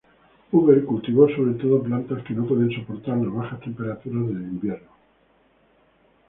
Huber cultivó sobre todo plantas que no pueden soportar las bajas temperaturas de invierno.